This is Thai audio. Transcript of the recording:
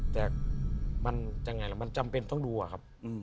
แต่มันยังไงล่ะมันจำเป็นต้องดูอะครับ